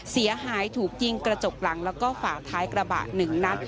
เสียหายถูกยิงกระจกหลังและฝากท้ายกระบะหนึ่งนั้น